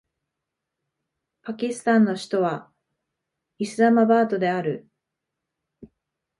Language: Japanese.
パキスタンの首都はイスラマバードである